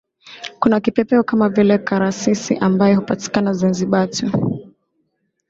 Kuna kipepeo kama vile Karasisi ambaye hupatiakana Zanzibar tu